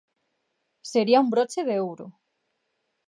Sería un broche de ouro.